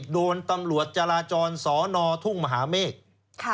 โดนตำรวจจราจรสอนอทุ่งมหาเมฆ